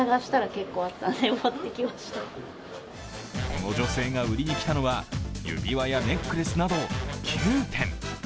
この女性が売りに来たのは指輪やネックレスなど９点。